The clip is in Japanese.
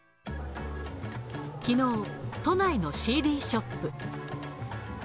きのう、都内のＣＤショップ。